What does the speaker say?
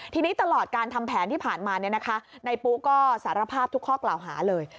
ทีนี้ตลอดการทำแผนที่ผ่านมานายปุ๊ก็สารภาพทุกข้อกล่าวหาเลย